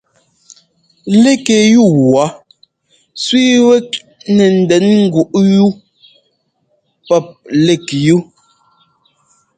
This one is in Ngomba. Lík yú wɔ̌ sẅíi wɛ́k nɛ ndɛn ŋgúꞌ wú pɔ́p lík yu.